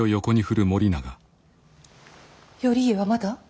頼家はまだ？